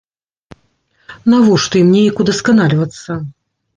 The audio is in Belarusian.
Навошта ім неяк удасканальвацца?